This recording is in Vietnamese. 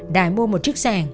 đài mua một chiếc xe